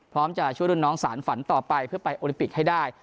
จะช่วยรุ่นน้องสารฝันต่อไปเพื่อไปโอลิมปิกให้ได้